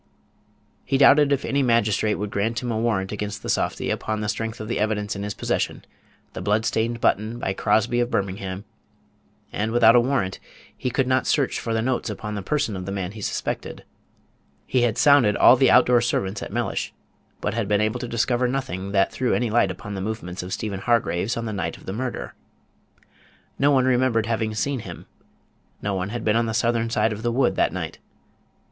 He doubted if any magistrate would grant him a warrant against the softy upon the strength of the evidence in his possession the blood stained button by Crosby of Birmingham; and without a warrant he could not search for the notes upon the person of the man he suspected. He had sounded all the out door servants at Mellish, but had been able to discover nothing that threw any light upon the movements of Stephen Hargraves on the night of the murder. No one remembered having seen him: no one had been on the southern side of the wood that night.